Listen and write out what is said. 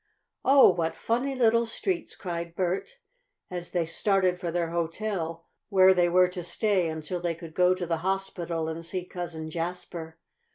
"Oh, what funny little streets!" cried Bert, as they started for their hotel where they were to stay until they could go to the hospital and see Cousin Jasper.